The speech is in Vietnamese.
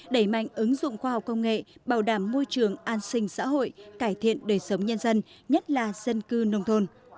đẩy mạnh ứng dụng khoa học công nghệ bảo đảm môi trường an sinh xã hội cải thiện đời sống nhân dân nhất là dân cư nông thôn